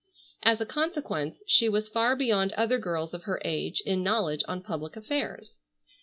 As a consequence she was far beyond other girls of her age in knowledge on public affairs.